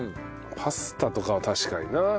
パスタとかは確かにな。